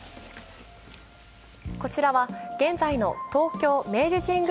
こちらは現在の東京・明治神宮